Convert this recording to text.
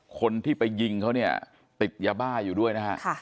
คนที่ไปยิงเขาเนี่ยติดยาบ้าอยู่ด้วยนะฮะ